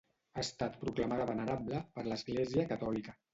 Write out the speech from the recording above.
Ha estat proclamada venerable per l'Església Catòlica.